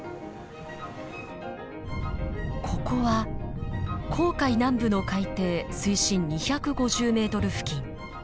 ここは紅海南部の海底水深２５０ｍ付近。